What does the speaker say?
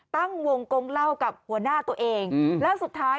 ตั้งวงกงเล่ากับหัวหน้าตัวเองแล้วสุดท้าย